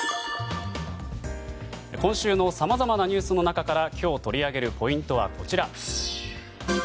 今週のさまざまなニュースの中から今日取り上げるポイントはこちら。